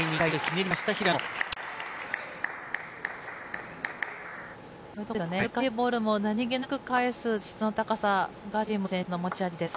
難しいボールも何気なく返す質の高さが陳夢選手の持ち味です。